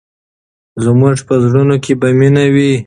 زموږ په زړونو کې به مینه وي.